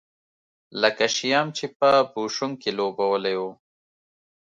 لکه شیام چې په بوشونګ کې لوبولی و.